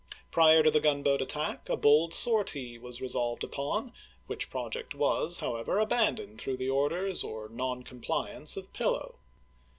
Prior to the gunboat attack a bold sortie was resolved upon, which project was, however, abandoned through the orders or non compliance of Pillow.